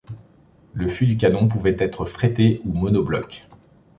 Le fût du canon pouvait être fretté ou monobloc.